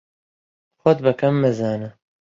خۆت بە کەم مەزانە.